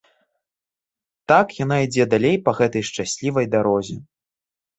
Так яна ідзе далей па гэтай шчаслівай дарозе.